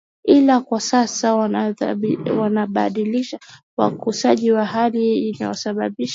ila kwa sasa wanabadilisha wakusanyaji hali inayosababisha wananchi kuwa wagumu katika kuchangia pesa hizo